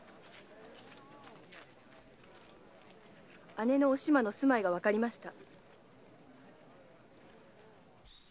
姉のおしまの住まいがわかりました。